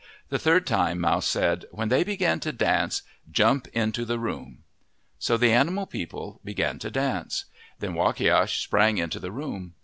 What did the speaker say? The third time Mouse said, " When they begin to dance, jump into the room." So the animal people began to dance. Then Wakiash sprang into the room.